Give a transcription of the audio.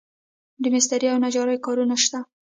د مسترۍ او نجارۍ کارونه شته